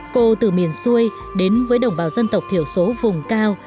cô từ miền xuôi đến với đồng bào dân tộc thiểu số vùng cao